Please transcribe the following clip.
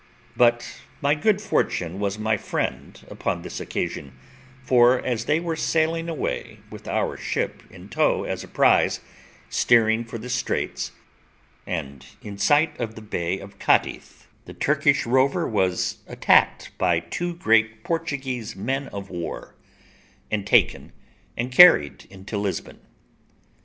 But my good fortune was my friend upon this occasion; for, as they were sailing away with our ship in tow as a prize, steering for the Straits, and in sight of the bay of Cadiz, the Turkish rover was attacked by two great Portuguese men of war, and taken and carried into Lisbon.